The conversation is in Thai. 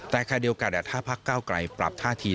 แต่แค่เดียวกันถ้าพักเก้าไกลปรับท่าที